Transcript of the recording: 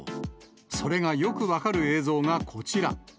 それがよく分かる映像がこちら。